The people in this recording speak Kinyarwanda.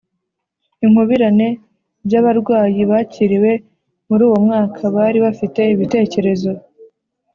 inkubirane by abarwayi bakiriwe muri uwo mwaka bari bafite ibitekerezo